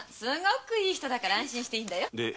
いい人だから安心していいんだよ。